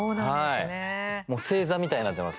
もう星座みたいになってます